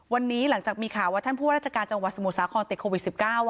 วันนี้หลังจากมีข่าวว่าท่านผู้ราชการจังหวัดสมุทรสาครติดโควิด๑๙